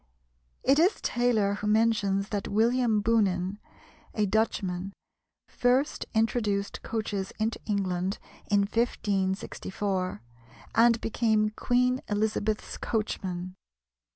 It is Taylor who mentions that William Boonen, a Dutchman, first introduced coaches into England in 1564, and became Queen Elizabeth's coachman.